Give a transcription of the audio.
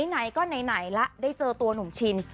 ไหนก็ไหนละได้เจอตัวหนุ่มชิน